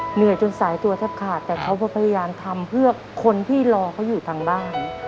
เหนื่อยจนสายตัวแทบขาดแต่เขาก็พยายามทำเพื่อคนที่รอเขาอยู่ทางบ้าน